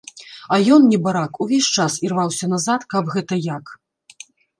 А ён, небарак, увесь час ірваўся назад каб гэта як.